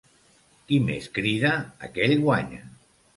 Qui més crida, aquell guanya.